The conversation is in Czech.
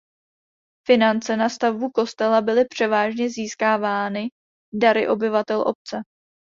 Finance na stavbu kostela byly převážně získávány dary obyvatel obce.